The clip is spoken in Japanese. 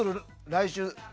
来週。